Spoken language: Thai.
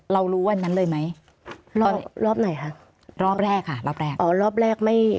รู้วันนั้นเลยไหมรอบรอบไหนคะรอบแรกค่ะรอบแรกอ๋อรอบแรกไม่